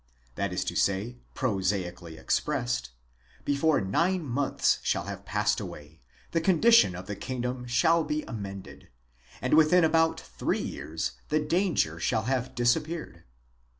That is to say, prosaically expressed : before nine months shall have passed away, the condition of the kingdom shall be amended, and within about three years the danger shall have disappeared.